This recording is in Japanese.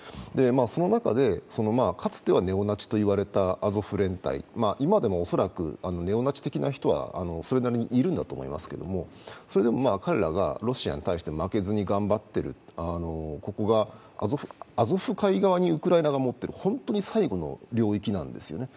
その中で、かつてはネオナチと言われたアゾフ連隊、今でも恐らくネオナチ的な人はそれなりにいるんだと思いますがそれでも彼らがロシアに対して負けずに頑張ってる、ここがアゾフ海側にウクライナ側が持っている最後の領域なわけですよね。